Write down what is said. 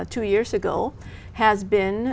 tôi có thể